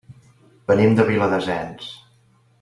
Venim de Viladasens.